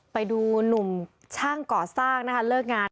ไปดูหนุ่มช่างก่อสร้างนะคะเลิกงาน